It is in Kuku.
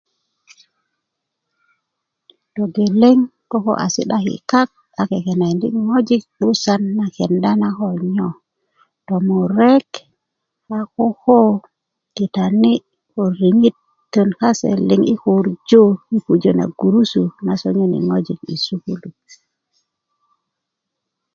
togeleŋ koko a si'daki' kak a kekenakindi' ŋojik 'busan na kenda na ko nyo tomurek a koko kitani' ko riŋitön kase liŋ yi kurju yi pujö na gurusu na sonyoni ŋojik yi sukulu